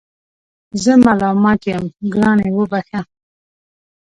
زه ملامت یم ګرانې وبخښه